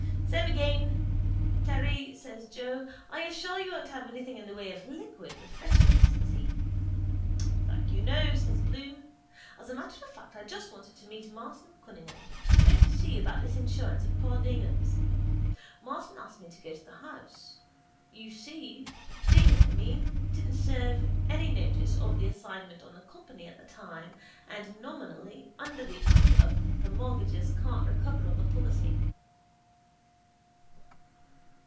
—Same again, Terry, says Joe. Are you sure you won't have anything in the way of liquid refreshment? says he. —Thank you, no, says Bloom. As a matter of fact I just wanted to meet Martin Cunningham, don't you see, about this insurance of poor Dignam's. Martin asked me to go to the house. You see, he, Dignam, I mean, didn't serve any notice of the assignment on the company at the time and nominally under the act the mortgagee can't recover on the policy.